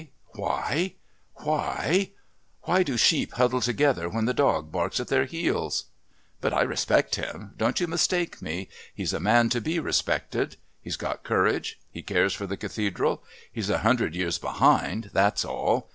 Why do sheep huddle together when the dog barks at their heels?...But I respect him. Don't you mistake me. He's a man to be respected. He's got courage. He cares for the Cathedral. He's a hundred years behind, that's all.